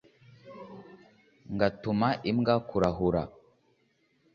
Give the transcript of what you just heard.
ngatuma imbwa kurahura